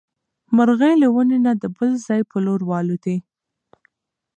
مرغۍ له ونې نه د بل ځای په لور والوتې.